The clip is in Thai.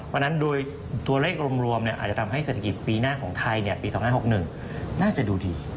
เพราะฉะนั้นโดยตัวเลขรวมอาจจะทำให้เศรษฐกิจปีหน้าของไทยปี๒๕๖๑น่าจะดูดี